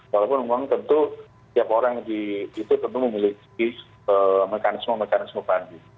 walaupun memang tentu tiap orang di itu tentu memiliki mekanisme mekanisme banding